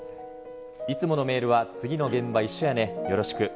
いつものメールは次の現場一緒やね、よろしく。